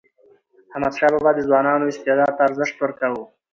احمدشاه بابا د ځوانانو استعداد ته ارزښت ورکاوه.